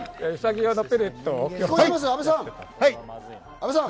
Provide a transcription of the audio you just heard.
阿部さん！